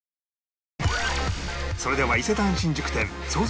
それでは伊勢丹新宿店惣菜